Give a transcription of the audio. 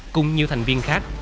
cùng nhiều thành viên khác